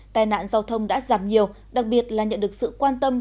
tai nạn giao thông đã giảm nhiều đặc biệt là nhận được sự quan tâm